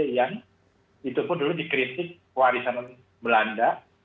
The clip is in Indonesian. yang itu pun dulu dikritik warisan belanda